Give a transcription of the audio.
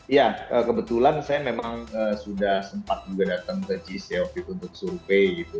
iya kebetulan saya memang sudah sempat juga datang ke gc covid untuk survei gitu